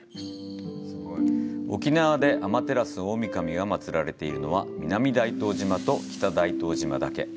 沖縄で天照大御神が祀られているのは南大東島と北大東島だけ。